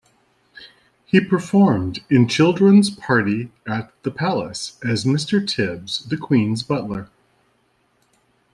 He performed in "Children's Party at the Palace" as Mr Tibbs, the Queen's butler.